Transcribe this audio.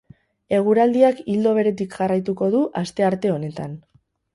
Eguraldiak ildo beretik jarraituko du astearte honetan.